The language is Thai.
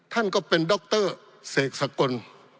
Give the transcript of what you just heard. ท่านก็เป็นดรเสกสกล